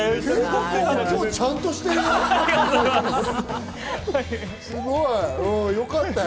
今日ちゃんとしてるよ。